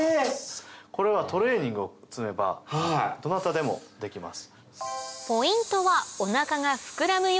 これはトレーニングを積めばどなたでもできます。